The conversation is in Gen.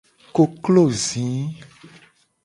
Koklo zi.